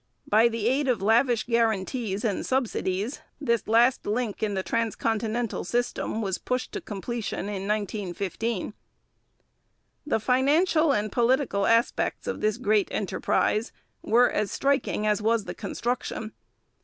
By the aid of lavish guarantees and subsidies this last link in the transcontinental system was pushed to completion in 1915. The financial and political aspects of this great enterprise were as striking as was the construction.